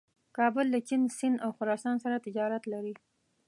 کابل له چین، سیند او خراسان سره تجارت لري.